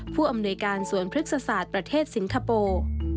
ผู้อำนวยการสวนพฤกษศาสตร์ประเทศสิงคโปร์